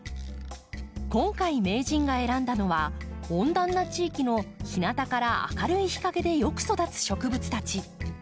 今回名人が選んだのは温暖な地域の日なたから明るい日陰でよく育つ植物たち。